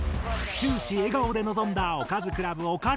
終始笑顔で臨んだおかずクラブオカリナさん。